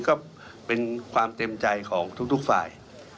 ก็เป็นความเต็มใจของทุกฝ่าย